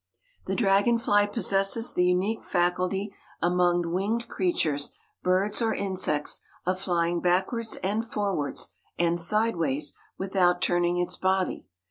The dragonfly possesses the unique faculty among winged creatures, birds or insects, of flying backwards and forwards and sideways without turning its body.